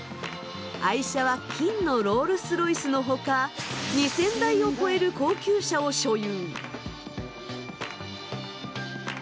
愛車は金のロールス・ロイスのほか２，０００台を超える高級車を所有。